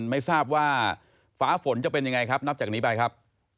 ไม่ทราบว่าฟ้าฝนจะเป็นยังไงครับนับจากนี้ไปครับ